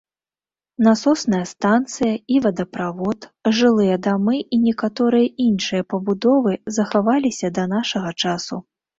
Насосная станцыя і водаправод, жылыя дамы і некаторыя іншыя пабудовы захаваліся да нашага часу.